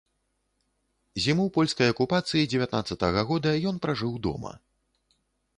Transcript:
Зіму польскай акупацыі дзевятнаццатага года ён пражыў дома.